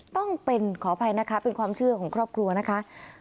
ต้องเป็นขออภัยนะคะเป็นความเชื่อของครอบครัวนะคะ